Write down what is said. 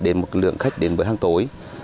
đến một lượng khách đến với hàng tối